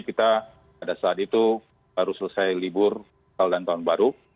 kita pada saat itu baru selesai libur tahun baru